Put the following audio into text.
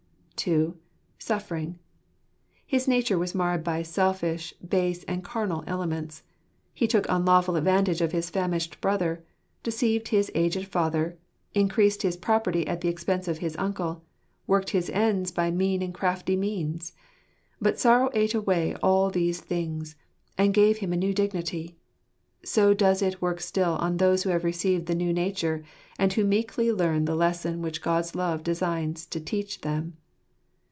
(2) Suffering. His nature was marred by selfish, base, and carnal elements. He took unlawful advantage of his famished brother ; deceived his aged father ; increased his property at the expense of his uncle ; worked his ends by mean and crafty means. But sorrow ate away all these things, and gave him a new dignity. So does it work still on those who have received the new nature, and who meekly leam the lesson which God's love designs to teach them.